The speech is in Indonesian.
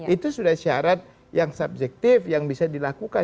itu sudah syarat yang subjektif yang bisa dilakukan